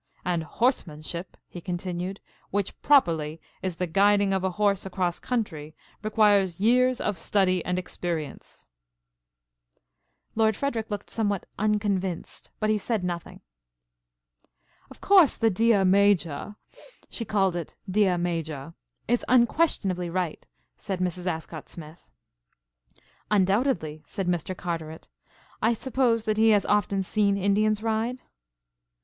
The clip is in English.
And horsemanship," he continued, "which properly is the guiding of a horse across country, requires years of study and experience." Lord Frederic looked somewhat unconvinced but he said nothing. "Of course the dear Major (she called it deah Majaw) is unquestionably right," said Mrs. Ascott Smith. "Undoubtedly," said Mr. Carteret. "I suppose that he has often seen Indians ride?"